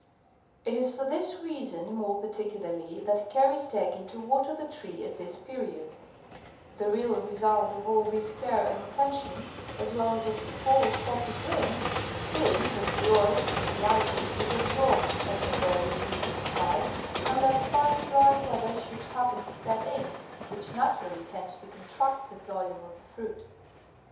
It is for this reason more particularly, that care is taken to water the tree at this period ; the real result of all this care and attention, as well as of the fall of copious rains, being, that the oil in reality is absorbed as the berry increases in size, unless fine dry weather should happen to set in, which naturally tends to contract the volume of the fruit.